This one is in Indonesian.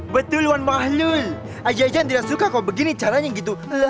betul wan bahlul aja aja tidak suka kalau begini caranya gitu